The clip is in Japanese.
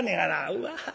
「うわ。